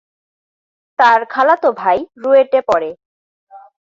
তার খালাতো ভাই রুয়েটে পড়ে।